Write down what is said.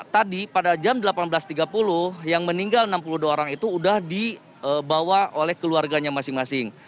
tadi pada jam delapan belas tiga puluh yang meninggal enam puluh dua orang itu sudah dibawa oleh keluarganya masing masing